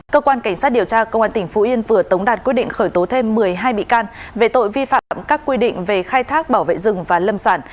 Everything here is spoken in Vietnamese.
cơ quan cảnh sát điều tra công an tỉnh phú yên vừa tống đạt quyết định khởi tố thêm một mươi hai bị can về tội vi phạm các quy định về khai thác bảo vệ rừng và lâm sản